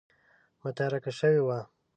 متارکه شوې وه.